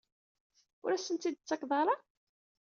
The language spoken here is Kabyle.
Ur asent-tt-id-tettakeḍ ara?